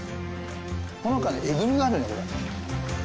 ほのかにえぐみがあるねこれ。